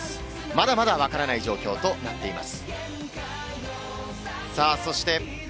まだまだわからない状況となっています。